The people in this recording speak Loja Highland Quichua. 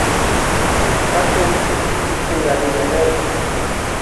Katun kitillipi chinkarinallami.